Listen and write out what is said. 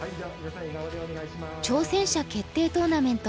挑戦者決定トーナメント